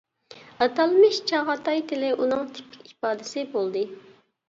ئاتالمىش «چاغاتاي» تىلى ئۇنىڭ تىپىك ئىپادىسى بولدى.